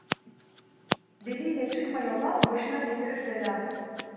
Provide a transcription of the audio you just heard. Deli ile çıkma yola, başına getirir bela.